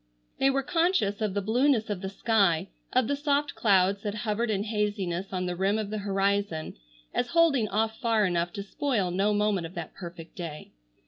They were conscious of the blueness of the sky, of the soft clouds that hovered in haziness on the rim of the horizon, as holding off far enough to spoil no moment of that perfect day.